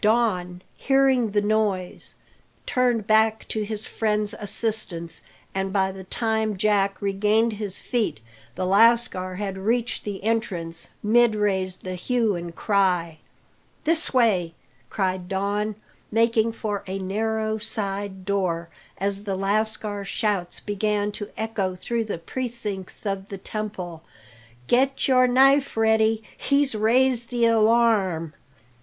Don, hearing the noise, turned back to his friend's assistance, and by the time Jack regained his feet the lascar had reached the entrance mid raised the hue and cry. "This way!" cried Don, making for a narrow side door, as the lascar's shouts began to echo through the precincts of the temple. "Get your knife ready, he's raised the alarm!"